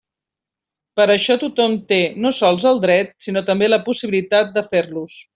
Per això tothom té no sols el dret sinó també la possibilitat de fer-los.